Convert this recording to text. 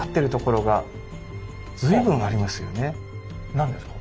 何ですか？